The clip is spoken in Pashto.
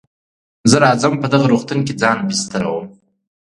زه راځم په دغه روغتون کې ځان بستروم.